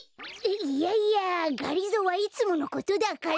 いやいやがりぞーはいつものことだから。